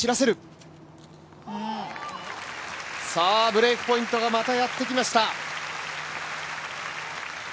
ブレークポイントがまたやってきました。